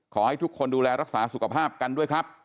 ขอให้ทุกคนดูแลรักษาสุขภาพกันด้วยครับ